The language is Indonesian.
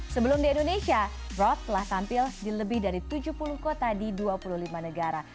sebelum di indonesia rock telah tampil di lebih dari tujuh puluh kota di dua puluh lima negara